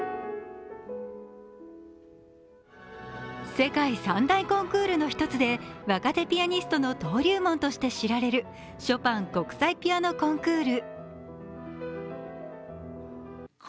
世界３大コンクールで若手ピアニストの登竜門として知られるショパン国際ピアノコンクール。